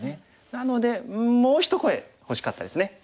なのでうんもう一声欲しかったですね。